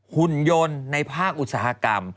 หุ่นยนต์ในภาคอุตสาหกรรม